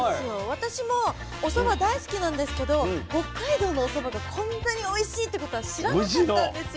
私もおそば大好きなんですけど北海道のおそばがこんなにおいしいっていうことは知らなかったんですよ。